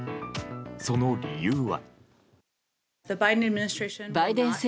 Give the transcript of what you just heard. その理由は。